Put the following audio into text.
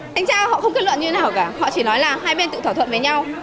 thanh tra họ không kết luận như thế nào cả họ chỉ nói là hai bên tự thỏa thuận với nhau